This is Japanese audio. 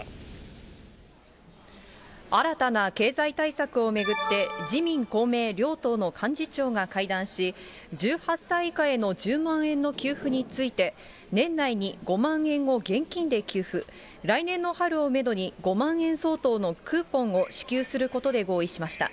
新たな経済対策を巡って、自民、公明両党の幹事長が会談し、１８歳以下への１０万円の給付について、年内に５万円を現金で給付、来年の春をメドに５万円相当のクーポンを支給することで合意しました。